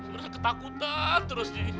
merasa ketakutan terus ji